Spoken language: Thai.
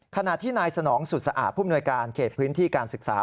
ขณะที่นายสนองสุดสะอาดผู้มนวยการเขตพื้นที่การศึกษา